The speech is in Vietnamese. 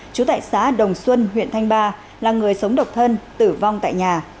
trú tại xã đồng xuân huyện thanh ba là người sống độc thân tử vong tại nhà